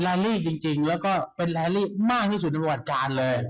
ลี่จริงแล้วก็เป็นรายลี่มากที่สุดในประวัติการเลย